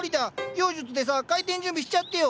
妖術でさ開店準備しちゃってよ。